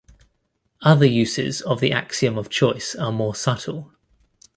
Other uses of the axiom of choice are more subtle.